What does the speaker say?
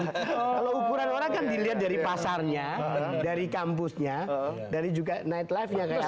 kalau ukuran orang kan dilihat dari pasarnya dari kampusnya dari juga nightlifenya